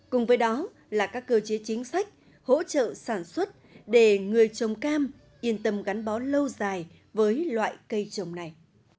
cùng với đó là các cơ chế chính sách hỗ trợ sản xuất để người trồng cam yên tâm gắn bó lâu dài với loại cây trồng này